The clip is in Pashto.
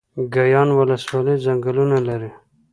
ګیان ولسوالۍ ځنګلونه لري؟